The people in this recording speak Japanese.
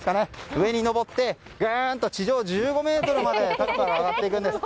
上に上ってグーンと地上１５ｍの高さまで上がっていくんです。